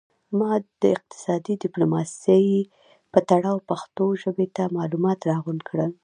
ما د اقتصادي ډیپلوماسي په تړاو پښتو ژبې ته معلومات را غونډ کړل